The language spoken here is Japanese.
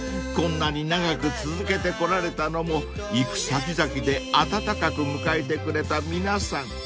［こんなに長く続けてこられたのも行く先々で温かく迎えてくれた皆さん